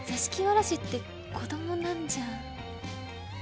わらしって子供なんじゃ。